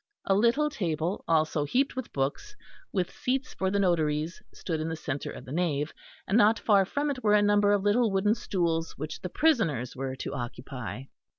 A little table, also heaped with books, with seats for the notaries, stood in the centre of the nave, and not far from it were a number of little wooden stools which the prisoners were to occupy.